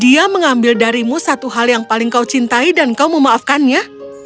dia mengambil darimu satu hal yang paling kau cintai dan kau memaafkannya